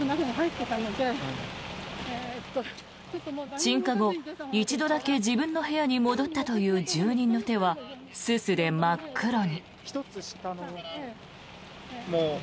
鎮火後、一度だけ自分の部屋に戻ったという住人の手はすすで真っ黒に。